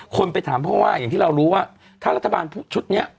คนไปถามเพราะว่าอย่างที่เรารู้ว่าถ้ารัฐบาลชุดนี้